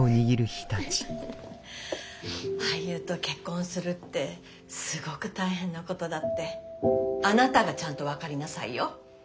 俳優と結婚するってすごく大変なことだってあなたがちゃんと分かりなさいよ。